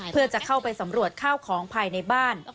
เพื่อจะเข้าไปสำรวจข้าวของภายในบ้าน